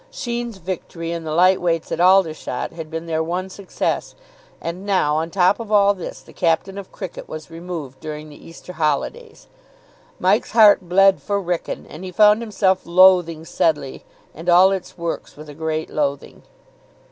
Sheen's victory in the light weights at Aldershot had been their one success. And now, on top of all this, the captain of cricket was removed during the Easter holidays. Mike's heart bled for Wrykyn, and he found himself loathing Sedleigh and all its works with a great loathing.